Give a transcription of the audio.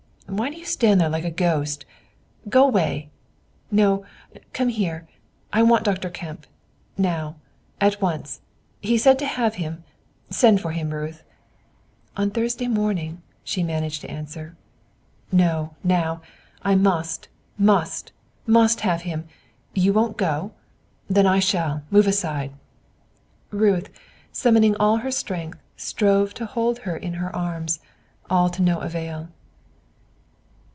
Why do you stand there like a ghost? Go away. No, come here I want Dr. Kemp; now, at once, he said to have him; send for him, Ruth." "On Thursday morning," she managed to answer. "No, now I must, must, must have him! You won't go? Then I shall; move aside." Ruth, summoning all her strength, strove to hold her in her arms, all to no avail.